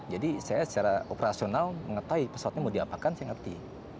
jadi saya secara operasional mengetahui pesawatnya mau diapakan saya ngerti